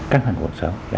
căng thẳng của cuộc sống